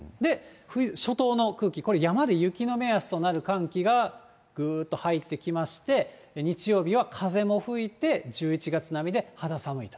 初冬の空気、これ、山で雪の目安となる寒気がぐーっと入ってきまして、日曜日は風も吹いて１１月並みで肌寒いと。